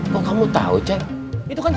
kok kamu tahu ceng